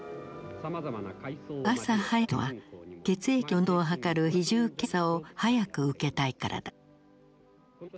朝早く集まるのは血液の濃度を測る比重検査を早く受けたいからだ。